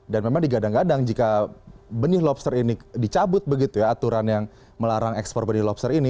dan memang digadang gadang jika benih lobster ini dicabut begitu ya aturan yang melarang ekspor benih lobster ini